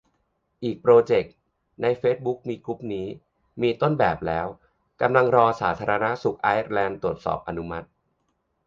อีกโปรเจกต์ ในเฟซบุ๊กมีกรุ๊ปนี้ มีต้นแบบแล้ว กำลังรอสาธารณสุขไอร์แลนด์ตรวจอนุมัติ